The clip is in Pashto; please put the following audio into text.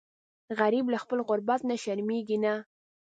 غریب له خپل غربت نه شرمیږي نه